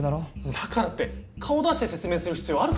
だからって顔出して説明する必要あるか？